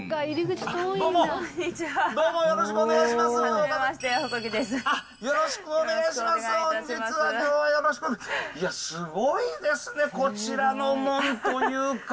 きょうはよろしく、いや、すごいですね、こちらの門というか。